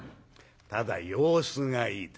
ただ様子がいいと。